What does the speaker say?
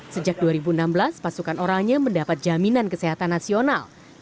sejak dua ribu enam belas pasukan orangnya mendapat jaminan kesehatan nasional